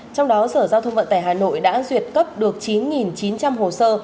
trong đó sở giao thông vận tải hà nội đã duyệt cấp được chín chín trăm linh hồ sơ